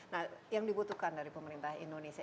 nah yang dibutuhkan dari pemerintah indonesia